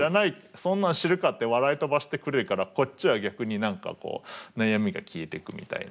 そんなん知るか！」って笑い飛ばしてくれるからこっちは逆に何か悩みが消えてくみたいな。